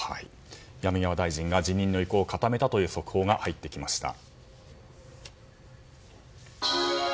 山際大臣が辞任の意向を固めたという速報が入ってきました。